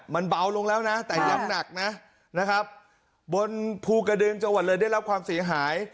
มันเบาลงแล้วนะแต่อย่างหนักนะนะครับบนภูกระดึงจังหวัดเลยได้รับความเสียหาย